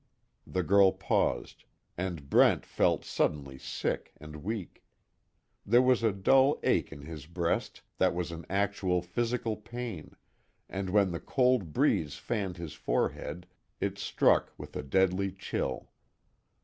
The girl paused, and Brent felt suddenly sick and weak. There was a dull ache in his breast that was an actual physical pain, and when the cold breeze fanned his forehead, it struck with a deadly chill.